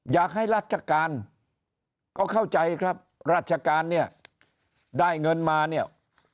อยากให้ราชการก็เข้าใจครับราชการเนี่ยได้เงินมาเนี่ย